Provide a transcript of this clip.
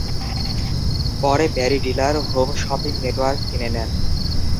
পরে Barry Diller home shopping network কিনে নেন।